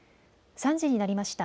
３時になりました。